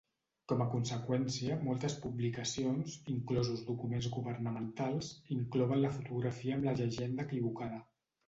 Com a conseqüència, moltes publicacions, inclosos documents governamentals, inclouen la fotografia amb la llegenda equivocada.